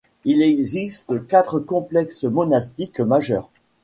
Il existe quatre complexes monastiques majeurs.